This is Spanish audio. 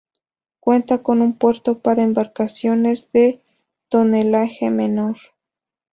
Cuenta con un puerto para embarcaciones de tonelaje menor.